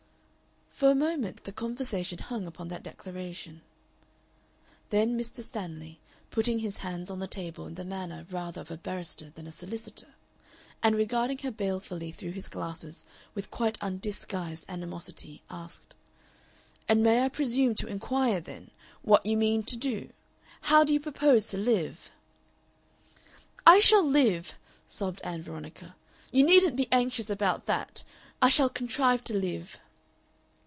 For a moment the conversation hung upon that declaration. Then Mr. Stanley, putting his hands on the table in the manner rather of a barrister than a solicitor, and regarding her balefully through his glasses with quite undisguised animosity, asked, "And may I presume to inquire, then, what you mean to do? how do you propose to live?" "I shall live," sobbed Ann Veronica. "You needn't be anxious about that! I shall contrive to live."